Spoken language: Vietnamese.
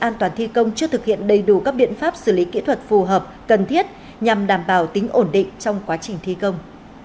an toàn thi công chưa thực hiện đầy đủ các biện pháp xử lý kỹ thuật phù hợp cần thiết nhằm đảm bảo tính ổn định trong quá trình thi công